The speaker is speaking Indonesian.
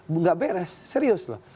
tidak beres serius